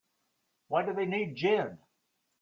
Why do they need gin?